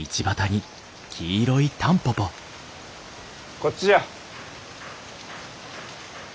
こっちじゃ。